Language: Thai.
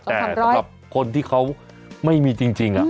แต่สำหรับคนที่เขาไม่มีจริง